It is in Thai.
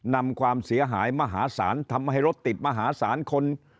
นำความเสียหายมหาศาลทำให้รถติดมหาศาลคน